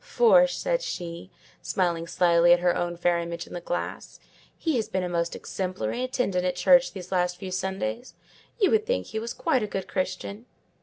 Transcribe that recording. "For," said she, smiling slyly at her own fair image in the glass, "he has been a most exemplary attendant at church these last few Sundays: you would think he was quite a good Christian.